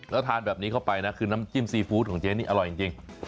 แล้วทานแบบนี้เข้าไปนะคือน้ำจิ้มซีฟู้ดของเจ๊นี่อร่อยจริง